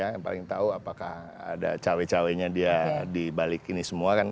yang paling tahu apakah ada cawe cawe nya dia dibalik ini semua kan